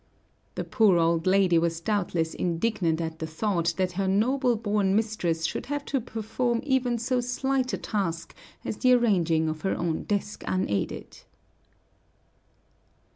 The poor old lady was doubtless indignant at the thought that her noble born mistress should have to perform even so slight a task as the arranging of her own desk unaided.